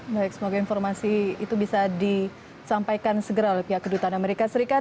baik semoga informasi itu bisa disampaikan segera oleh pihak kedutaan amerika serikat